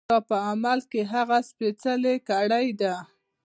دا په عمل کې هغه سپېڅلې کړۍ ده.